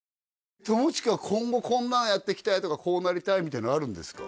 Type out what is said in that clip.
今後こんなんやっていきたいとかこうなりたいみたいなのあるんですか？